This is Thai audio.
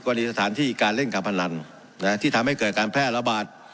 กว่าในสถานที่การเล่นกับพนันนะฮะที่ทำให้เกิดการแพร่ระบาด